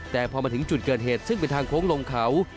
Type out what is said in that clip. แต่พอมาถึงจุดเกิดเหตุซึ่งเป็นทางโค้งลงเขา